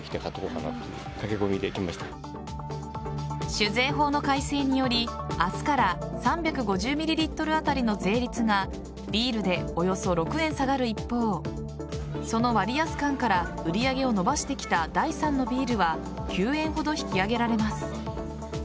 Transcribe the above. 酒税法の改正により、明日から３５０ｍｌあたりの税率がビールで、およそ６円下がる一方その割安感から売り上げを伸ばしてきた第３のビールは９円ほど引き上げられます。